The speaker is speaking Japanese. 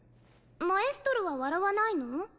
マエストロは笑わないの？